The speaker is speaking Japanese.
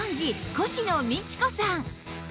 コシノミチコさん